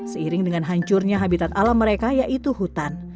seiring dengan hancurnya habitat alam mereka yaitu hutan